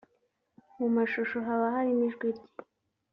mashusho haba harimo ijwi rye